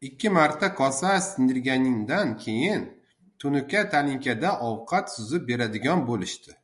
Ikki marta kosa sindirganidan keyin, tunuka talinkada ovqat suzib beradigan boʻlishdi.